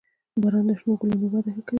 • باران د شنو ګلونو وده ښه کوي.